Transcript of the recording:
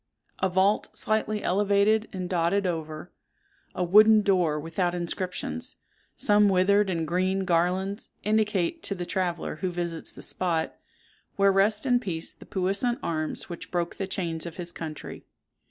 A vault, slightly elevated and dodded over—a wooden door without inscriptions—some withered and green garlands, indicate to the traveller who visits the spot, where rest in peace the puissant arms which broke the chains of his country.